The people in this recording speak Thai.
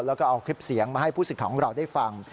แล้วก็เอาคลิปเสียงมาให้ผู้สิทธิ์ของเราได้ฟัง